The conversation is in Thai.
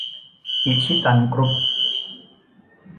อิชิตัน กรุ๊ป